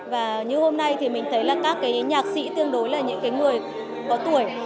và như hôm nay thì mình thấy là các cái nhạc sĩ tương đối là những cái người có tuổi